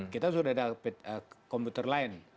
kita sudah dapat komputer lain